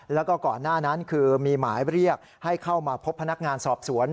แล้วก็ก่อนหน้านั้นคือมีหมายเรียกให้เข้ามาพบพนักงานสอบสวน